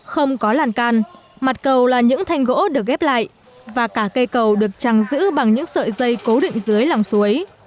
không có làn can mặt cầu là những thanh gỗ được ghép lại và cả cây cầu được trăng giữ bằng những sợi dây cố định dưới lòng suối